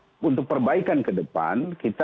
dan juga untuk perbaikan kemampuan kita